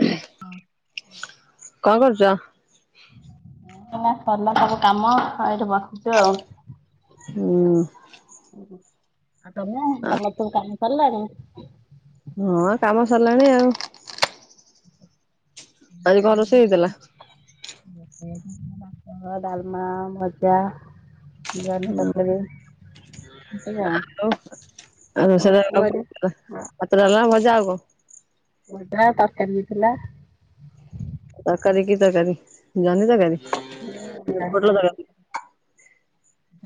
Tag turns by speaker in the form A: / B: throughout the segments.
A: [unintelligible] କଣ କରୁଛ?
B: ଏନା ସରିଲା ସବୁ କାମ ଆଉ ଏଇଠି ବସୁଛୁ ଆଉ।
A: ହୁଁ।
B: ଓହୋ ଆଉ ତମେ ତମର ସବୁ କାମ ସିରିଲାଣି।
A: ହଁ କାମ ସରିଲାଣି ଆଉ। ଆଜି କଣ ରୋସେଇ ହେଇଥିଲା?
B: [unintelligible] ଭାତ, ଡଲମା, ଭଜା, ଜହ୍ନି ତରକାରୀ।
A: ଆଉ ଆଉ ସେ [unintelligible] ଭାତ, ଡଲମା, ଭଜା, ଆଉ କଣ।
B: ଭଜା ତରକାରୀ ହେଇଥିଲା।
A: ତକାରୀ କି ତକାରୀ ଜହ୍ନି ତକାରୀ।
B: ହୁଁ [unintelligible]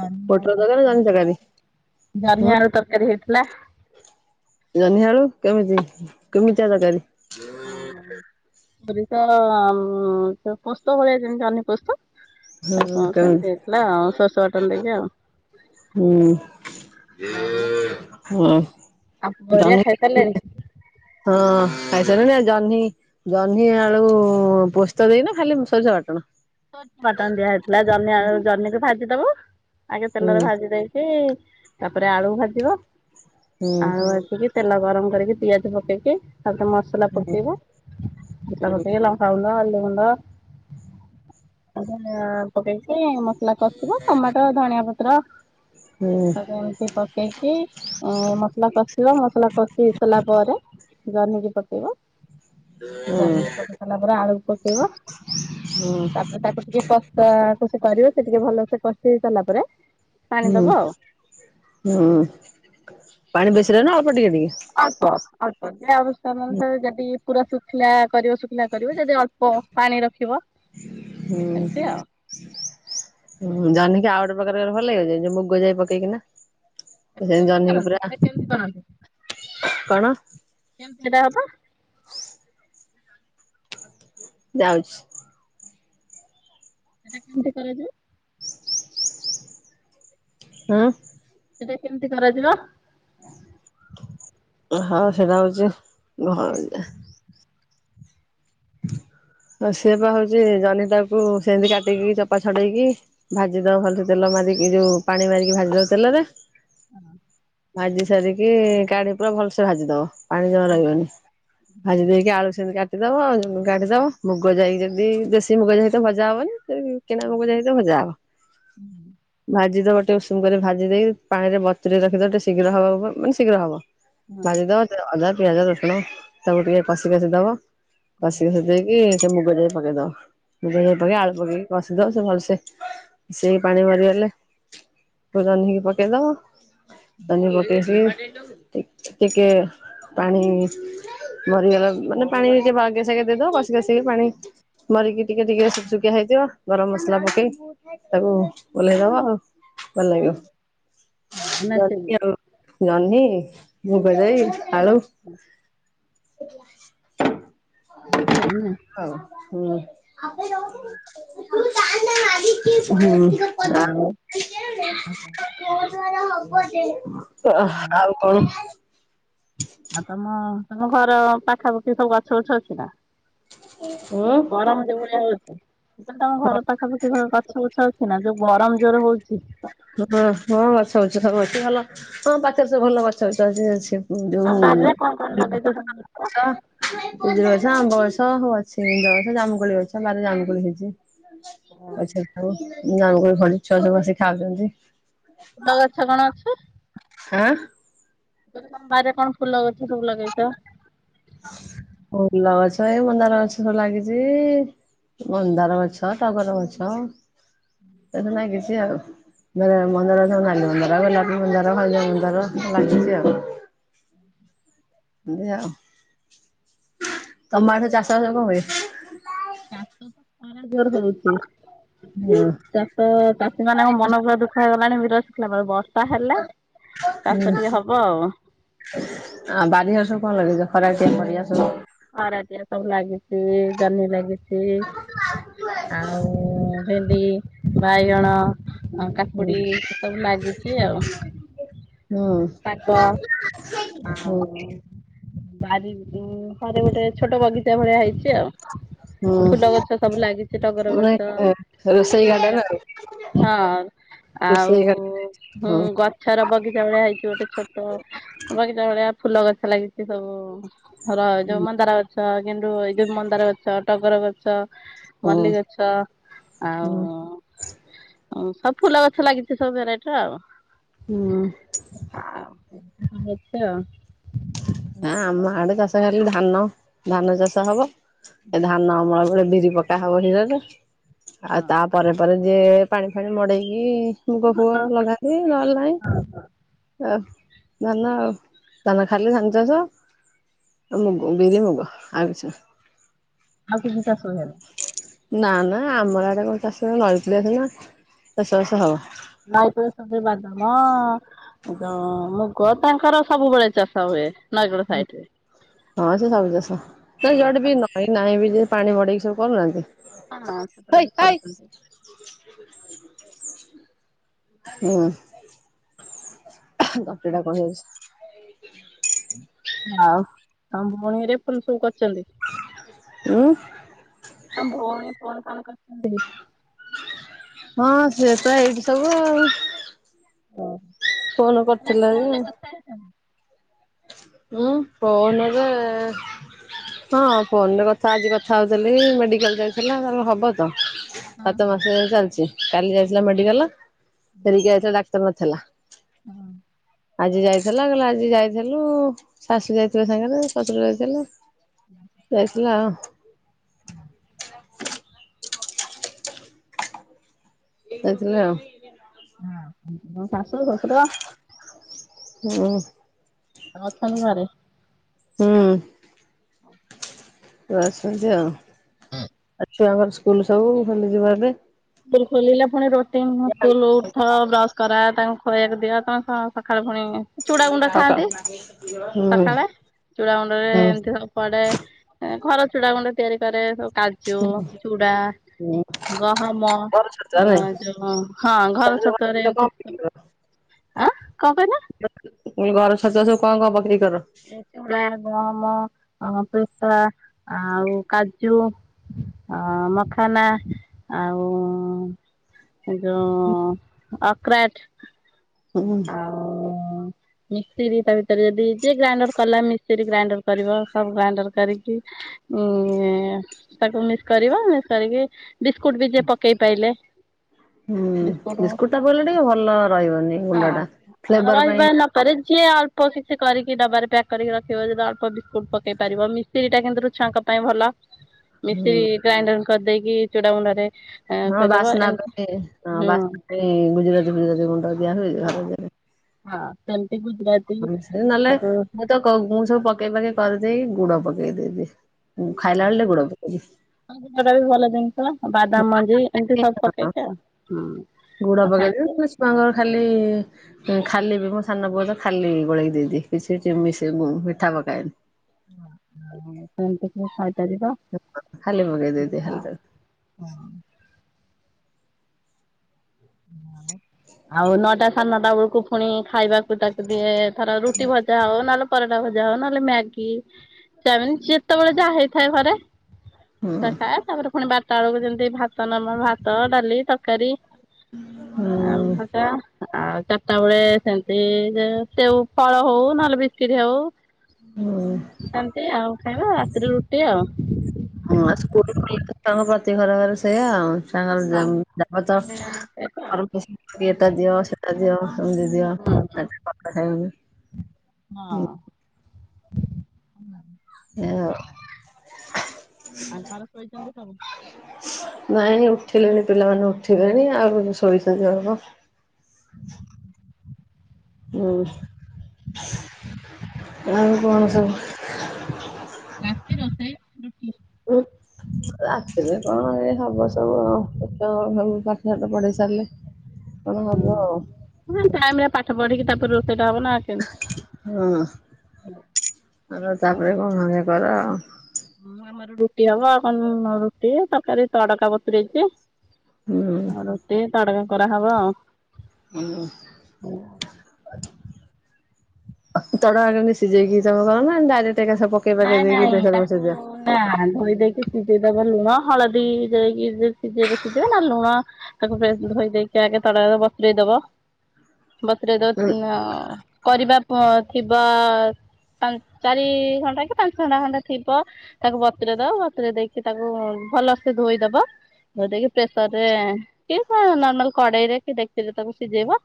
B: ଜହ୍ନି ଆଳୁ ତରକାରୀ ହେଇଥିଲା
A: ହୁଁ
B: ଜହ୍ନି ଆଳୁ ତରକାରୀ ହେଇଥିଲା।
A: ଜହ୍ନିଆଳୁ କେମିତି କେମିତିଆ ତରକାରୀ।
B: ଉଁ ସୋରିଷ ଉ ପୋସ୍ତ ଭଳିଆ ଯେମିତି ଜହ୍ନି ପୋସ୍ତ।
A: ହୁଁ
B: ତାକୁ ଉ
A: କେମିତି
B: ସେମିତି ହେଇଥିଲା ଆଉ ଶୋରିଷ ବାଟଣ ଦେଇକି ଆଉ।
A: ହୁଁ
B: [inaudible] ଆଉ
A: ହଁ
B: ଆଉ ପୁଅ ହରିଆ
A: ଜହ୍ନି
B: ଖାଇ ସାରିଲେଣି।
A: ହଁ ଖାଇସାଇଲୁଣି ଆଉ ଜହ୍ନି ଜହ୍ନି ଆଳୁ ପୋସ୍ତ ଦେଇନା ଖାଲି ସୋରିଷ ବାଟଣ।
B: [inaudible] ବାଟଣ ଦିଆ ହେଇଥିଲା ଜହ୍ନି ଆଳୁ ଜହ୍ନିକୁ ଭାଜିଦବୁ ଆଗେ ତେଲରେ
A: ହୁଁ
B: ଭାଜି ଦେଇ ଇକି ତାପରେ ଆଳୁକୁ ଭାଜିବ
A: ହୁଁ
B: ଆଳୁ ଭାଜି କି ତେଲ ଗରମ କରିକି ପିଆଜ ପକେଇକି ତାପରେ ମସଲା ପକେଇବ। ମସଲା ପକେଇକି ଲଙ୍କା ଗୁଣ୍ଡ ହଳଦି ଗୁଣ୍ଡ [unintelligible] ପକେଇକି ମ ସଲା କଷିବ ଟମାଟୋ ଧନିଆ ପତ୍ର [inaudible]
A: ହୁଁ
B: ତାକୁ ଏମିତି ପକେଇ କି ଅ ମସଲା କଷିବ ମସଲା କଷି ସାରିଲା ପରେ ଜହ୍ନିକି ପକେଇବ।
A: ହୁଁ
B: ଜହ୍ନି କୁ ପକେଇ ସାଇଲା ପରେ ଆଳୁକୁ ପକେଇବ
A: ହୁଁ
B: ତାପ୍ ତାକୁ ଟିକେ କଶା କଷି କରିବେ ସେ ଟିକେ ଭଲ ସେ କଷି ହେଇ ସାରିଲା ପରେ। ପାଣି
A: ହୁଁ
B: ଦବ ଆଉ
A: ହୁଁ ପାଣି ବେଶିରେ ନା ଅଳ୍ପ ଟିକେ ଟିକେ।
B: ଅଳ୍ପ ଅଳ୍ପ ଯାଉ ତମ ଅନୁସାରେ ଯଦି ପୁରା ଶୁଖିଲା କରିବ ଶୁଖିଲା କରିବ ଯଦି ଅ ଳ୍ପ ପାଣି ରଖିବ।
A: ହୁଁ।
B: ଏମିତି ଆଉ।
A: ହୁଁ ଜହ୍ନି କି ଆଉ ଗୋଟେ ପ୍ରକାରେ କଲେ ଭଲ ଲାଗିବ ଯେ ଯୋଉ ମୁଗ ଯାଇ ପକେଇକିନା। ସେ
B: ଆଚ୍ଛା
A: ସେମି
B: ସେମିତି
A: ଜହ୍ନିକି
B: କରନ୍ତି ସେଟା କେମିତି କରନ୍ତି
A: ପୁରା କଣ
B: କେମତି ସେଟା ହବ।
A: [inaudible] ଯାଉଚି।
B: ସେଟା କେମିତି କରାଯାଏ।
A: ହଁ।
B: ସେଟା କେମିତି କରାଯିବ।
A: ହ ସେଟା ହଉଛି ଘଁ [inaudible] ହ ସିଏ ବା ହଉଛି ଜହ୍ନି ଟାକୁ ସେମିତି କାଟିକି ଚୋପା ଛଡେଇକି ଭାଜି ଦବ ଭଲସେ ତେଲ ମାରିକି ଯୋଉ ପାଣି ମାରିକି ଭାଜି ଦବ ତେଲରେ।
B: [inaudible]
A: ଭାଜି ସାରିକି କାଢି ପୁରା ଭଲସେ ଭାଜି ଦବ ପାଣି ଜମା ରହିବନି। ଭାଜି ଦେଇକ ଆଳୁ ସେମତି କାଟିଦବ ଆଉ କାଢିଦବ ମୁଗ ଯାଇକି ଯଦି ଦେଶୀ ମୁଗ ଯାଇ ତ ଭଜା ହବନି ସେଇ କିଣା ମୁଗଯାଇ ହେଥିବ ଭଜାହବ। ଭାଜିଦବ ଟିକେ ଉଷୁମ କରି ଭାଜି ଦେଇକି ପାଣିରେ ବତୁରେଇ ରଖିଦବ ଟିକେ ଶୀଘ୍ର ହବାକୁ ବ ମାନେ ଶୀଘ୍ର ହବ। ବଜି ଦବ ତା ଅଧା ପିଆଜ ରସୁଣ ସବୁ ଟିକେ କଷି କଷି ଦବ। କସି କୁସା ଦେଇକି ସେ ମୁଗ ଯାଇ ପକେଇଦବ। ପକେଇ ଆଳୁ ପକେଇକି କଷି ଦଉ ସେ ଭଲସେ ମିଷେଇକି ପାଣି ମରିଗଲେ ପରେ ଜହ୍ନିକି ପକେଇଦବ ଜହ୍ନି କୁ ପକେଇ କି ଟିକେ ପାଣି ମରିଗଲା ମାନେ ପାଣିିକେ ବାଗ ଦେଇଦବ ବସିକି ବସିକି ପାଣି ମରିକି ଟିକେ ଟିକେ ଯୁକୁ ଯୁକିଆ ହେଇଥିବ ଗରମ ମସଲା ପକେଇ ତାକୁ ଓଲେଇଦବା ଆଉ ଭଲ ଲାଗିବ। ଜହ୍ନି, ମୁଗଜାଇ, ଆଳୁ। ହଉ ହୁଁ
B: ହ
A: ହୁଁ
B: ଆଉ
A: ଆଉ କଣ?
B: ଆଉ ତମ ତମ ଘର ପାଖାପାଖି ସବୁ ଗଛ ଗଛ ଅଛି ନା?
A: ଉଁ
B: ଗରମ ଯଉ ଭଳିଆ ହଉଛି ତମ ଘର ପାଖାପାଖି ଗଛ ଗଛ ଅଛି। ନା ଯୋଉ ଗରମ ଜୋର ହଉଛି।
A: ହଁ ହଁ ଗଛ ଗୁଛ ସବୁ ଅଛି ଭଲ ହଁ ପାଖରେ ସବୁ ଭଲ ଗଛ ବଛ ଅଛି।
B: ତମ ବାରିରେ କଣ କଣ ଲଗେଇଛ ସବୁ
A: [unintelligible]
B: ଗଛ?
A: [inaudible] ଜାମୁକୋଳି ଅଛ ବାରି ରେ ଜାମୁକୋଳି ହେଇଛି। ଆଛ ହଉ ଭ ଛୁଆ ଛୁଆ ସବୁ ଆସି ଖାଉଛନ୍ତି।
B: ଫୁଲ ଗଛ କଣ ଅଛି?
A: ଆଁ
B: ବାରିରେ କଣ ଫୁଲ ଅଛ ସବୁ ଲଗେଇଛ?
A: ଫଲ ଗଛ ଏଇ ମନ୍ଦାର ଗଛ ସବୁ ଲାଗିଛି। ମନ୍ଦାର ଗଛ ଟଗର ଗଛ ଏଠି ଲାଗିଛି ଆଉ। ମନ୍ଦାର ନାଲି ମନ୍ଦାର, ଗୋଲାପୀ ମନ୍ଦାର, ହଳଦିଆ ମନ୍ଦାର ଲାଗିଛି ଆଉ। ଏମିତି ଆଉ ତମ ଆଡେ ଚାଷ ବାସ କଣ ହୁଏ?
B: [unintelligible] ଜୋର ହଉଛି।
A: ହୁଁ
B: ଚାଷ ଚାଷୀ ମାନଙ୍କ ମନ ପୁରା ଦୁଃଖ ହେଇଗଲାଣି [unintelligible] ତା ହେଲେ ଚାଷ ଟିକେ ହବ ଆଉ।
A: ଆ ବାରି ଘରେ ସବୁ କଣ ଲଗେଇଛ ଖରାଟିଆ ପାରିବା ସବୁ?
B: ଖରାଟିଆ ସବୁ ଲାଗିଛି ଜହ୍ନି ଲାଗିଛି।
A: [unintelligible]
B: ଆଉ ଭେଣ୍ଡି, ବାଇଗଣ ଆଉ
A: ହୁଁ
B: କାକୁଡି ଏ ସବୁ ଲାଗିଛି ଆଉ।
A: ହୁଁ
B: ଶାଗ
A: ହୁଁ
B: ବାରି ଘରେ ଗୋଟେ ଛୋଟ ବଗିଚା ଭଳିଆ ହେଇଛି
A: ହୁଁ
B: ଆଉ। ଫୁଲ ଗଛ ସବୁ ଲାଗିଛି ଟଗର
A: ମାନେ
B: ଗଛ
A: ରୋଷେଇ ଗାର୍ଡେନ
B: ମନ୍ଦା
A: ଆଉ
B: ହଁ ଆଉ
A: ରୋଷେଇ ଗାର୍ଡେନ
B: ହୁଁ
A: ହଁ।
B: ଗ ଛର ବଗିଚା ଭଳିଆ ହେଇଛି ଗୋଟେ ଛୋଟ ବଗିଚା ଭଳିଆ ଫୁଲ ଗଛ ଲାଗିଛି ସବୁ। ର ଯୋଉ
A: ହୁଁ
B: ମନ୍ଦାର ଗଛ, ଗେଣ୍ଡୁ ଏଇ ଯୋଉ ମନ୍ଦାର ଗଛ, ଟଗର ଗଛ
A: ହୁଁ
B: ମଲ୍ଲୀଗଛ
A: ହୁଁ
B: ଆଉ ହ ସବୁ ଫୁଲ ଗଛ ଲାଗିଛି ସବୁ ଭେରାଇଟିର ଆଉ।
A: ହୁଁ
B: ଅଛି ଆଉ।
A: ହଁ ଆମ ଆଡେ ଚାଷ ହେଲେ ଧାନ ଧାନ ଚାଷ ହବ ଏ ଧାନ ଅମଳ ବେଳେ ବିରି ପ କାହା ହବ ହୀରରେ ଆଉ ତା
B: ହଁ
A: ପରେ ପରେ ଯିଏ ପାଣି ଫାଣି ମଡେଇକି ମୁଗ ଫୁଗ
B: ଭଲ
A: ଲଗା ତି ନହେଲେ ନାଇଁ ଆ ଧାନ ଆଉ ଧାନ ଖାଲି ଧାନ ଚାଷ ଆଉ ମୁଗ ବିରି, ମୁଗ ଆଉ କିଛିନା
B: ଆଉ କିଛି ଚାଷ ହୁଏନି?
A: ନା ନା ଆମର ଆଡେ କଣ ଚାଷ ନଈ କୁଳିଆ ଦିନ ଚାଷ ବାସ ହବ।
B: ନଇ କୂଳ ପାଖରେ ବାଦାମ ମୁଗ ତାଙ୍କର ସବୁବେଳେ ଚାଷ ହୁଏ ନଈକୂଳ ସାଇଡରେ।
A: ହଁ ସେ ସବୁ ଚାଷ ତ ଯୁଆଡେ ବି ନଈ ନାହିଁ ବି ଯେ ପାଣି ମଡେଇକି ସବୁ କରୁନାହାନ୍ତି। ହେଇ ହେଇ
B: [unintelligible]
A: ହୁଁ। ତଣ୍ଟିଟା କଣ ହେଇଛି।
B: ଆଉ ଆଉ ମୁଣିରେ ଫୁଲ୍ ସବୁ କରିଛନ୍ତି।
A: ଉଁ
B: ତମ ଭଉଣୀ ଫୋନ ଫାନ୍ କରୁ [inaudible] ନ୍ତିକି
A: ହଁ ସେ ତ ଏଇଠି ସବୁ ଆଉ। ଫୋନ କରିଥିଲା ଯେ ମୁଁ ଫୋନରେ ହଁ ଫୋନରେ କଥା ଆଜି କଥା ହଉଥିଲି ମେଡିକାଲ ଯାଇଥିଲା ତାର ହବ ତ। ସାତ ମାସ ଚାଲିଛି କାଲି ଯାଇଥିଲା ମେଡିକାଲ ଫେରିକି ଆଇଥିଲା ଡାକ୍ତର ନଥେଲା। ଆଜି ଯାଇଥିଲା କହିଲା ଆଜି ଯାଇଥେଲୁ ଶାଶୁ ଯାଇଥିଲେ ସାଙ୍ଗେରେ ଶଶୁର ଯାଇଥିଲେ। ଯାଇଥିଲା ଆଉ। [unintelligible] ଥିଲା ଆଉ।
B: ହଁ ଶାଶୁ ଶ୍ୱଶୁର
A: ହୁଁ।
B: ଅଛନ୍ତି ଘରେ।
A: ହୁଁ। ଆସଛନ୍ତି ଆଉ ଆ ଛୁଆଙ୍କର ସ୍କୁଲ ସବୁ ଖୋଲିଯିବ ଏବେ।
B: ସ୍କୁଲ ଖୋଲିଲା ଫୁଣି ରୋଟିନ୍ କୁଲ୍ ଉଠ ବ୍ରସ କରା ତାଙ୍କୁ ଖୁଆଇବାକୁ ଦିଅ ତମେ କଣ ସଖାଳୁ ଫୁଣି ଚୁଡ଼ାଗୁଣ୍ଡ
A: ସକାଳ
B: ଖାଆନ୍ତି
A: ହୁଁ
B: ସଖାଳେ ଚୁଡ଼ାଗୁଣ୍ଡରେ
A: ହୁଁ
B: ଏମିତି ସବ ପଡେ ଘର ଚୁଡା ଗୁଣ୍ଡ ତିଆରି କରେ ସବ୍ କାଜୁ ଚୁଡ଼ା
A: ହୁଁ
B: ଗ ଗହମ
A: ବର
B: ଆଁ
A: ଛାଡ଼ିଲା
B: ଯୋଉ ହଁ ହଁ ଘର ଛତୁଆରେ ଏମିତି
A: ନାଇଁ
B: ଆଁ କଁ କହିଲ?
A: ଘର ଛତୁଆ ସବୁ କଣ କଣ ପକେଇକି କର?
B: ଚୁଡ଼ା ଗହମ ଅ ପିସ୍ତା ଆଉ କାଜୁ। ଅ ମଖାନ ଆଉ ଯୋଉ ଅକ୍ରାଟ
A: ହୁଁ
B: [inaudible] ମିଶ୍ରି ତା ଭିତରେ ଯଦି ଯିଏ ଗ୍ରାଇଣ୍ଡର କଲା ମିଶ୍ରି ଗ୍ରାଇଣ୍ଡର କରିବ ସବୁ ଗ୍ରାଇଣ୍ଡର କରିକି ଉଁ ଏଁ ତାକୁ ମିସ୍ କରିବ ମିସ୍ କରିକି ବିସ୍କୁଟ ବି ଯିଏ ପକେଇ ପାଇଲେ।
A: ହୁଁ
B: ବିସ୍କୁଟ୍ ହଁ
A: ବିସ୍କୁଟୁଟା ପଡ଼ିଲେ ଟିକେ ଭଲ ରହିବନି ଗୁଣ୍ଡଟା ଫ୍ଲେଭର ପାଇଁ
B: ରେ ଯିଏ ଅଳ୍ପ କିଛି କରିକି ଡବାରେ ପ୍ୟାକ୍ କରିକି ରଖିବ ଯଦି ଅଳ୍ପ ବିସ୍କୁଟ୍ ପକେଇ ପାରିବ ମି ମିଶିରିଟା କିନ୍ତୁରୁ ଛୁଆଙ୍କ ପାଇଁ ଭଲ। ମିଶ୍ରି
A: ହୁଁ।
B: ଗ୍ରାଇଣ୍ଡର କରିଦେଇକି ଚୁଡ଼ାଗୁଣ୍ଡରେ ଅଁ ଖଇଦବ ଏମିତି ହୁଁ।
A: ଏଇ ଗୁଜୁରାତି ଫୁଜୁରାତି ଗୁଣ୍ଡ ଦିଆ
B: ହଁ
A: ହୁଏ [unintelligible]
B: ହଁ ସେମିତି ଗୁଜୁରାତି
A: ହଁ ସେ ନହେଲେ
B: ତାକୁ
A: ମୁଁ ତ ମୁଁ ସବୁ ପକେଇ ପକାଇ କରିଦେଇ ଗୁଡ଼ ପକେଇ ଦେବି। ମୁଁ ଖାଇଲା ବେଳେ ଟିକେ ଗୁଡ଼ ପକେଇବି।
B: ହଁ ଗୁଡ଼ଟାବି ଭଲ ଜିନିଷ ବାଦାମ ମଞ୍ଜି ଏମିତି ସବୁ ପକେଇକି ଆଉ ହୁଁ।
A: ଗୁଡ଼
B: ଆଉ
A: ପକେଇଦିଏ
B: ଖାଆନ୍ତି
A: ପୁସ୍ତାଙ୍ଗ ଖାଲି ଖାଲିବିି ମୋ ସାନ ପୁଅତ ଖାଲି ଗୋଳେଇକି ଦେଇଦିଏ କିଛି ମିଶ୍ରି ମିଠା ପକାଏନି।
B: ସେମିତିବି ଖାଇପାରିବ
A: ଖାଲି ପକେଇ ଦେଇଦିଏ ଖାଲି ତାକୁ
B: [unintelligible] ଆଉ ନଅଟା ସାଢ଼େ ନଅଟା ବେଳକୁ ପୁଣି ଖାଇବାକୁ ତାକୁ ଦିଏ ଥର ରୁଟି ଭ ଯା ହଉ ନହେଲେ ପରଟା ଭଜା ହଉ ନହେଲେ ମ୍ୟାଗି ଚାଉମିିନ୍ ଯେତେବେଳେ ଯାହା ହେଇଥାଏ ଘରେ
A: ହୁଁ
B: ସେଖାଏ ତାପରେ ପୁଣି ବାରଟା ବେଳକୁ ଯେମିତି ଭାତ ନାମ ଭାତ ଡାଲି ତରକାରୀ ଆଉ
A: ହୁଁ।
B: ଭଜା ଆଉ ଚ ଚାରିଟା ବେଳେ ସେମିତି ସେଉ ଫଳ ହଉ ନହେଲେ ବିସ୍କିଟେ ହଉ
A: ହୁଁ
B: ସେମିତି ଆଉ ଖାଇବ ରାତିରେ ରୁଟି ଆଉ।
A: ହଁ ସ୍କୁଲ୍ ଖୁଲିଲେତ ପ୍ରତି ଘର ଘର ସେଇୟା ଆଉ। ତାଙ୍କ
B: ହଁ ସେଇଟା
A: ଯବରଦସ୍ତ
B: ଆଉ।
A: [unintelligible] ଏଟା ଦିଅ ସେଟା ଦିଅ ସେମିତି ଦିଅ [unintelligible]
B: ହଁ।
A: ଆଉ।
B: ହଁ ଆ ଘରେ ଶୋଇଚନ୍ତି ସବୁ?
A: ନାଇଁ ଉଠିଲେଣି ପିଲାମାନେ ଉଠିଲେଣି ଆଉ ଶୋଇଚନ୍ତି ଅଳ୍ପ। ହୁଁ ଆଉ କଣ ସବୁ
B: ରାତି ରୋଷେଇ ରୁଟି?
A: ରାତିରେ କଣ ଏଇ ହବ ସବୁ ସବୁ ପାଠା ସାଠ ପଢେଇ ସାରିଲେ ପୁଣି ହବୁ ଆଉ।
B: ହୁଁ ଟାଇମ୍ ରେ ପାଠ ପଢିକି ତାପରେ ରୋଷେଇଟା ହବନା କେମିତି
A: ହଁ ଆ ତାପରେ କଣ [unintelligible] କର।
B: ହଁ ଆମର ରୁଟି ହବ ଆଉ କଣ ରୁଟି ତରକାରୀ ତଡକା ବତୁରେଇଚି।
A: ହୁଁ।
B: ଆଉ ରୁଟି ତଡ଼କା କରାହବ ଆଉ।
A: ହୁଁ।
B: ହୁଁ।
A: ତଡ଼କା କେମିତି ସିଜେଇକି ତମେ କରନା ଡାଇରେକ୍ଟ ଏକା ସହ ପକେଇ ପକାଇ ଦେଇକି ପ୍ରେସରେ ବସେଇ ଦିଅ?
B: ନାଁ ଧୋଇ ଦେଇକି ସିଝେଇଦବ ଲୁଣ ହଳଦୀ ଦେଇକି ସିଝେଇବେ ସିଝେଇବେ ନା ଲୁଣ ତାକୁ ଫେସ୍ ଧୋଇ ଦେଇକି ଆଗେ ତଡ଼ାକା ବତୁରେଇ ଦବ ବତୁରେଇ ଦବ
A: ହୁଁ
B: ଅଁ କରିବା ପ ଥିବା ପା ଚାରି ଘ ଚାରି ପାଞ୍ଚ ଘଣ୍ଟା ଖଣ୍ଡେ ଥିବ ତାକୁ ବତରେଦବ ବତରେ ଦେଇକି ତାକୁ ଭଲସେ ଧୋଇ ଦବ ଦେଇକି ପ୍ରେସର୍ରେକି ନର୍ମାଲ କଡ଼େଇରେ କିଡେକିଚିରେ ତାକୁ ସିଝେଇବ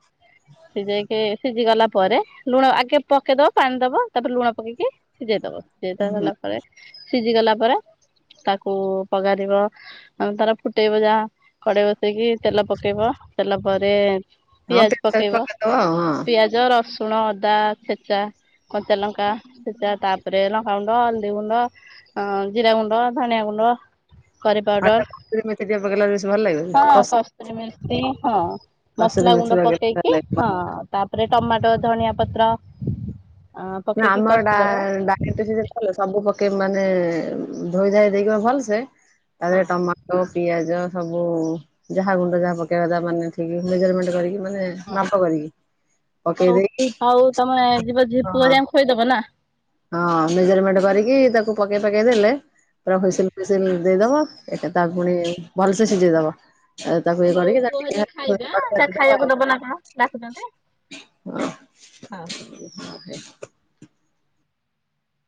B: ସିଝେଇକି ସିଝି ଗଲା ପରେ ଲୁଣ ଆଗେ ପକେଇଦବ ପାଣି ଦବ ତାପରେ ଲୁଣ ପକେଇକି ସିଝେଇଦବ ସିଇଟା ହେଲାପରେ ସିଝି ଗଲା ପରେ ତାକୁ ପଗାରିବ ଆଉ ତାର ଫୁଟେଇବ ଯାହା କଡ଼େଇ ବସେଇକି ତେଲ ପକେଇବ ତେଲ ପରେ
A: ହଁ
B: ପିଆଜ
A: ପିସ୍ ସାଇଜ୍
B: ପକେଇବ
A: ପକେଇଦବ ଆଉ ହଁ।
B: ପିଆଜ ଯ ରସୁଣ ଅଦା ଛେଚା କଞ୍ଚାଲଙ୍କା ଛେଚା ତାପ ରେନ ହାଉନ ଦେଉନ ଅଁ ଗୁଣ୍ଡ ଜିରା ଗୁଣ୍ଡ ଧନଆ ଗୁଣ୍ଡ କରି
A: ଆଉ
B: ପାଉଡ଼ର।
A: ଟିକେ କସୁରୀ ମେଥି ଟିକେ ପକେଇଲେ ବେଶୀ ଭଲ ଲାଗିବନି
B: ହଁ
A: କସ୍
B: କସ୍ତୁରି ମେଥି ହଁ
A: କସୁରୀ
B: ମସଲା
A: ମେଥି
B: ଗୁଣ୍ଡ ପ - -
A: ପକେଇଲେ ଭଲ
B: ପକେଇକି
A: ଲାଗିବ।
B: ହଁ ତାପରେ ଟମାଟୋ ଧଣିଆ ପତ୍ର ଅଁ - -
A: ନା ଆମଡା ଡା ଇଣ୍ଟେଜିଜେ କଲେ ସବୁ ପକେଇବୁ ମାନେ ଧୋଇ ଧାଇ ଦେଇକି ଭଲ ସେ ତାରେ ଟମା - - ଟ ପିଆଜ ସବୁ ଯାହା ଗୁଣ୍ଡ ଯାହା ପକେଇବା ତା ମାନେ ଠିକ ମେଜରମେଣ୍ଟ କରିକି ମାନେ ମାପ କରିକି ଓ ପକେଇ
B: ହଉ
A: ଦେଇ ହଁ।
B: ହୋଇଦବ ନା?
A: ହଁ ମେଜରମେଣ୍ଟ କରିକି ତାକୁ ପକେଇ ପାକେଇ ଦେଲେ। ପୁରା ଫୁସିଲ ଫିସିଲ ଦେଇଦବ। ଏଟା ତା ପୁଣି ଭଲସେ ସିଝେଇଦବ। ତାକୁ ଇଏ
B: ହଉ
A: କରିକି
B: ପୁଆ
A: ତାକୁ
B: ହେରିକା ଖାଇବେ ଏଁ ଜା
A: ଟିକେ
B: ଖାଇବାକୁ ଦବ
A: ଆଉ
B: ନା କଣ ଡାକୁଚନ୍ତି। ହଁ।
A: [unintelligible]